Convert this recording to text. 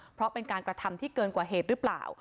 เพราะเป็นการกระทำที่เกินกว่าเหตุหรือเปล่า